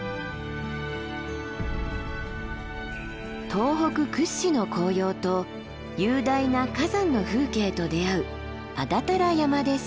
東北屈指の紅葉と雄大な火山の風景と出会う安達太良山です。